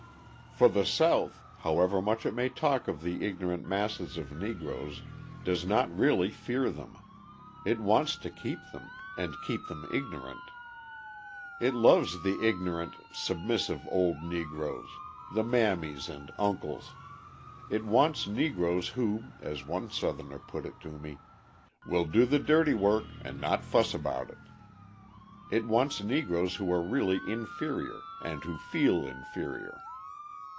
For the South, however much it may talk of the ignorant masses of Negroes, does not really fear them; it wants to keep them, and keep them ignorant. It loves the ignorant, submissive old Negroes, the "mammies" and "uncles"; it wants Negroes who, as one Southerner put it to me, "will do the dirty work and not fuss about it." It wants Negroes who are really inferior and who feel inferior.